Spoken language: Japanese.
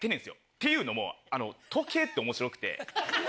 っていうのも時計って面白くて。